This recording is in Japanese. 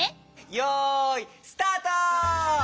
よいスタート！